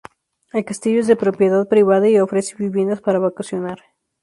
El castillo es de propiedad privada y ofrece viviendas para vacacionar.